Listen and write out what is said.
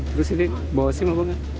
terus ini bawa sim apa enggak